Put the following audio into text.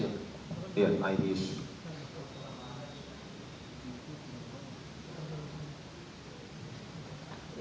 ini yang lain lain sih